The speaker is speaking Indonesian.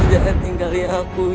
jangan tinggalkan aku yunda